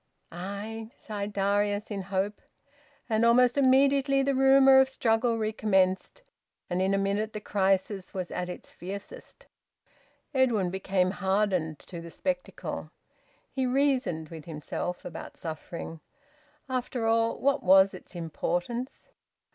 "Aye!" sighed Darius in hope. And almost immediately the rumour of struggle recommenced, and in a minute the crisis was at its fiercest. Edwin became hardened to the spectacle. He reasoned with himself about suffering. After all, what was its importance?